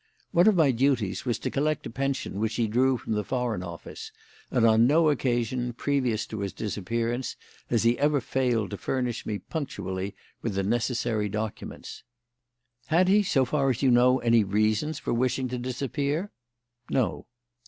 One of my duties was to collect a pension which he drew from the Foreign Office, and on no occasion, previous to his disappearance, has he ever failed to furnish me punctually with the necessary documents." "Had he, so far as you know, any reasons for wishing to disappear?" "No."